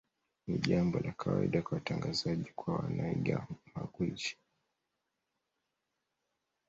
Ni jambo la kawaida kwa watangazaji kuwa wanaiga magwiji